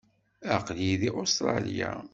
Aql-iyi deg Ustṛalya.